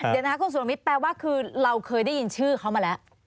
เดี๋ยวนะคะคุณสุรมิตรแปลว่าคือเราเคยได้ยินชื่อเขามาแล้ว